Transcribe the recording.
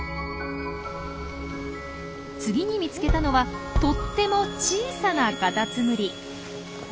次に見つけたのはとっても小さなカタツムリ。